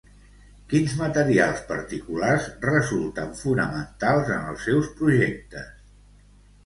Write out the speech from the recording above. Quins materials particulars resulten fonamentals en els seus projectes?